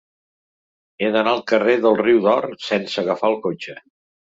He d'anar al carrer del Riu de l'Or sense agafar el cotxe.